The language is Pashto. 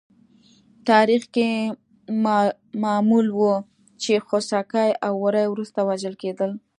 تاریخ کې معمول وه چې خوسکي او وری وروسته وژل کېدل.